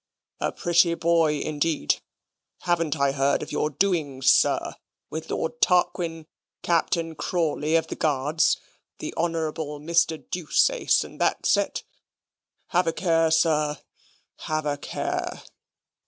"A pretty boy, indeed. Haven't I heard of your doings, sir, with Lord Tarquin, Captain Crawley of the Guards, the Honourable Mr. Deuceace and that set. Have a care sir, have a care."